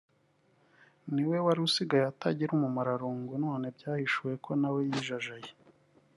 ni we wari usigaye atagira umumararungu none byahishuwe ko na we yijajaye